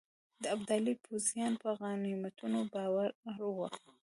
د ابدالي پوځیان په غنیمتونو بار وه.